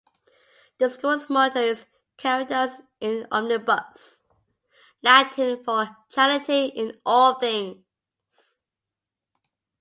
The school's motto is "Caritas in Omnibus", Latin for "charity in all things".